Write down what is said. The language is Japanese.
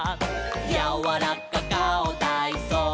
「やわらかかおたいそう」